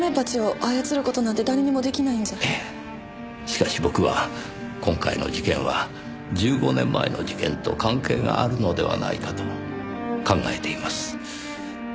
しかし僕は今回の事件は１５年前の事件と関係があるのではないかと考えています。